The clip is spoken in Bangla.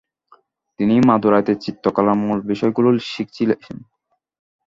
তিনি মাদুরাইতে চিত্রকলার মূল বিষয়গুলি শিখেছিলেন।